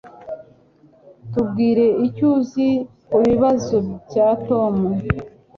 Tubwire icyo uzi kubibazo bya Tom